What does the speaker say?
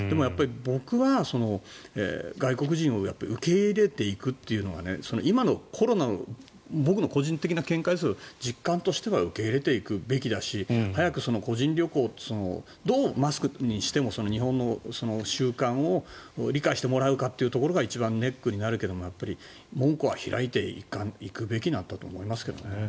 僕は外国人を受け入れていくというのは今のコロナを僕の個人的な見解ですけど実感としては受け入れていくべきだし早く個人旅行をどうマスクにしても日本の習慣を理解してもらうかというところが一番ネックになるけど門戸は開いていくべきだと思いますがね。